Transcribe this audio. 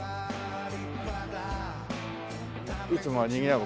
いつもはにぎわう